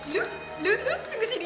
dulu dulu dulu tunggu sini